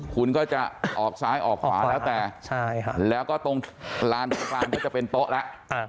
คุณก็จะออกซ้ายออกขวาแล้วแต่ใช่ค่ะแล้วก็ตรงร้านก็จะเป็นโต๊ะแล้วอ่า